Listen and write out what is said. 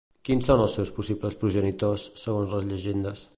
Quins són els seus possibles progenitors, segons les llegendes?